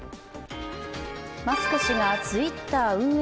マスク氏がＴｗｉｔｔｅｒ運営